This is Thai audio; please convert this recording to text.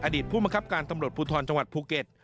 อดีตผู้มังคับการตำรวจภูทรจังหวัดภูเก็ต